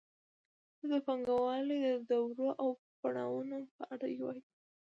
دلته د پانګوالۍ د دورو او پړاوونو په اړه وایو